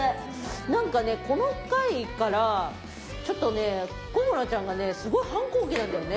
なんかねこの回からちょっとねここなちゃんがねすごい反抗期なんだよね。